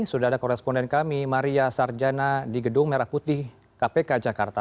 sudah ada koresponden kami maria sarjana di gedung merah putih kpk jakarta